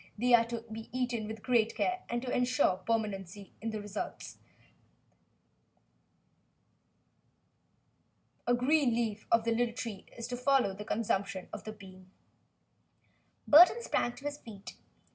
They are to be eaten with great care, and to ensure permanency in the results, a green leaf of the little tree is to follow the consumption of the bean." Burton sprang to his feet.